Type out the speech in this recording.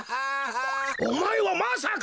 おまえはまさか！？